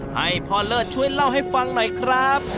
ให้พ่อเลิศช่วยเล่าให้ฟังหน่อยครับ